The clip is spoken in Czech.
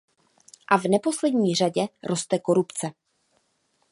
A v neposlední řadě roste korupce.